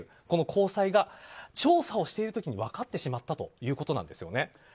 この交際が調査をしている時に分かってしまったということなんです。